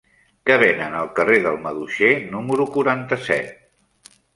Què venen al carrer del Maduixer número quaranta-set?